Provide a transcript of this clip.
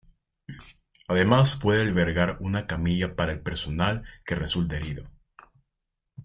Además, puede albergar una camilla para el personal que resulte herido.